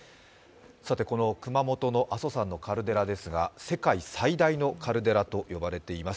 この熊本県の阿蘇山のカルデラですが、世界最大のカルデラと言われています。